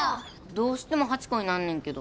どうしても８個になんねんけど。